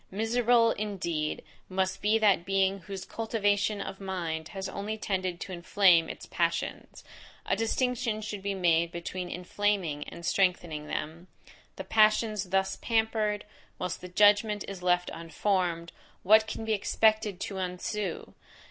Miserable, indeed, must be that being whose cultivation of mind has only tended to inflame its passions! A distinction should be made between inflaming and strengthening them. The passions thus pampered, whilst the judgment is left unformed, what can be expected to ensue?